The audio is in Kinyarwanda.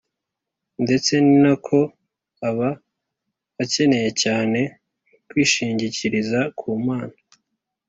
ndetse ni nako aba akeneye cyane kwishingikiriza ku mana.